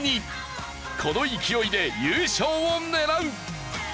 この勢いで優勝を狙う！